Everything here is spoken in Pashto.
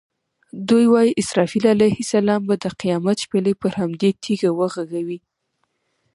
دوی وایي اسرافیل علیه السلام به د قیامت شپېلۍ پر همدې تیږه وغږوي.